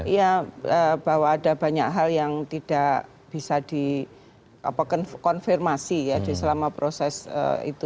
ya bahwa ada banyak hal yang tidak bisa dikonfirmasi ya selama proses itu